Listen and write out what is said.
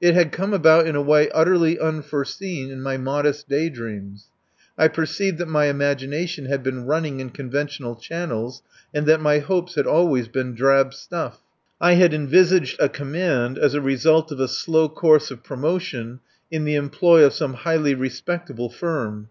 It had come about in a way utterly unforeseen in my modest day dreams. I perceived that my imagination had been running in conventional channels and that my hopes had always been drab stuff. I had envisaged a command as a result of a slow course of promotion in the employ of some highly respectable firm.